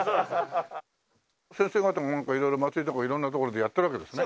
先生方も色々祭りとか色んなところでやってるわけですね？